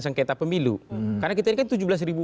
sengketa pemilu karena kita ini kan tujuh belas ribu